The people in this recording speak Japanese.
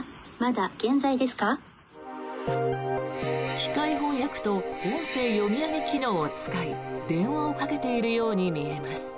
機械翻訳と音声読み上げ機能を使い電話をかけているように見えます。